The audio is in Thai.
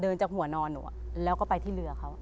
จากหัวนอนหนูแล้วก็ไปที่เรือเขา